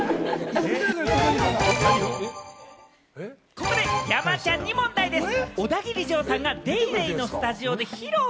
ここで山ちゃんに問題でぃす！